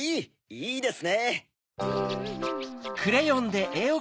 いいですね！